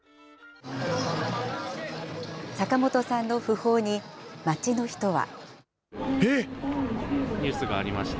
坂本さんの訃報に街の人は。